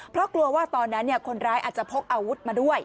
เพราะกลัวว่าตอนนั้นคนร้ายอาจจะพกอาวุธมาด้วย